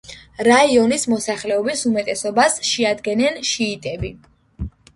რაიონის მოსახლეობის უმეტესობას შეადგენენ შიიტები.